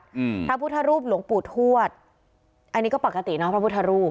อืมพระพุทธรูปหลวงปู่ทวดอันนี้ก็ปกติเนาะพระพุทธรูป